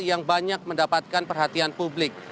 yang banyak mendapatkan perhatian publik